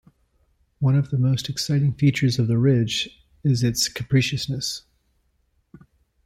One of the most exciting features of the Ridge is its capriciousness.